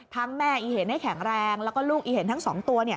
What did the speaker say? แม่อีเห็นให้แข็งแรงแล้วก็ลูกอีเห็นทั้ง๒ตัว